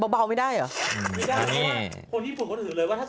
เบาไม่ได้เหรอ